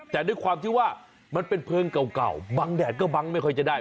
แต่ด้วยความที่ว่ามันเป็นเพลิงเก่าบางแดดก็บังไม่ค่อยจะได้